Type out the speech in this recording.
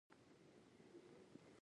پر پلان به یو ځل له سره کتنه کېده